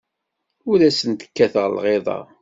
Ur asent-kkateɣ lɣiḍa.